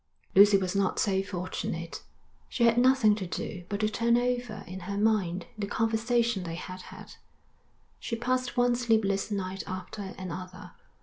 Lucy was not so fortunate. She had nothing to do but to turn over in her mind the conversation they had had. She passed one sleepless night after another.